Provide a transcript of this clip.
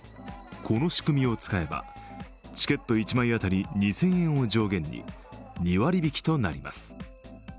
この仕組みを使えば、チケット１枚当たり２０００円を上限に２割引きとなります。